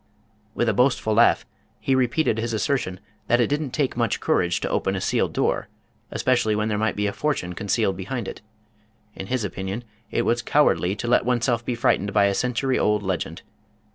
With a boastful laugh he repeated his assertion that it didn't take much courage to open a sealed door, especially when there might be a fortune concealed behind it. In his opinion it was cowardly to let oneself be frightened by a century old legend.